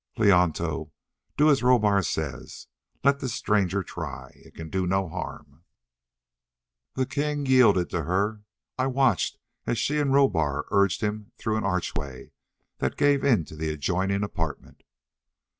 "Leonto, do as Rohbar says. Let this stranger try. It can do no harm." The king yielded to her; I watched as she and Rohbar urged him through an archway that gave into the adjoining apartment.